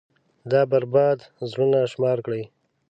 دا بـربـاد زړونه شمار كړئ.